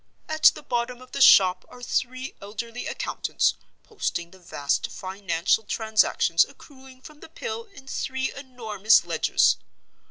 At the bottom of the shop are three elderly accountants, posting the vast financial transactions accruing from the Pill in three enormous ledgers.